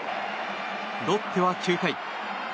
ロッテは９回。